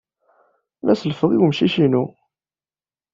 La sellfeɣ i wemcic-inu.